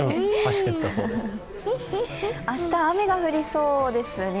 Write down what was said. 明日、雨が降りそうですね。